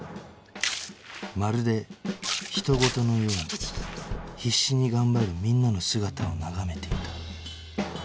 まるでひとごとのように必死に頑張るみんなの姿を眺めていた